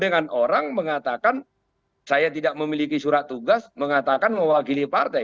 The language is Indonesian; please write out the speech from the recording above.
dan yang sekarang mengatakan saya tidak memiliki surat tugas mengatakan mewakili partai